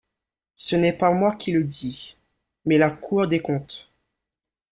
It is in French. Ce n’est pas moi qui le dis, mais la Cour des comptes.